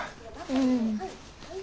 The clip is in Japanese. うん。